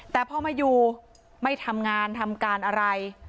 แต่พอมาอยู่ไม่ทำงานทำการอะไร